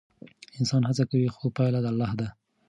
انسان هڅه کوي خو پایله د الله ده.